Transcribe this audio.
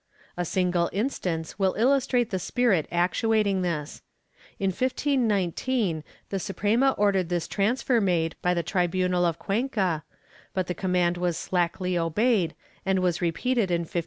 A single instance will illustrate the spirit actuating this. In 1519 the Suprema ordered this transfer made by the tribunal of Cuenca, but the command was slackly obeyed and was repeated in 1529.